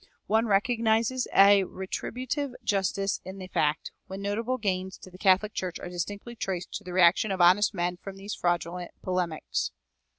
One recognizes a retributive justice in the fact, when notable gains to the Catholic Church are distinctly traced to the reaction of honest men from these fraudulent polemics.